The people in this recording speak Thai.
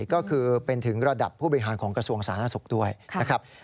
ก็คือเป็นถึงระดับผู้บริหารของกระทรวงสาธารณสุขด้วยนะครับ